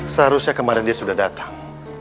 seharusnya kemarin dia sudah datang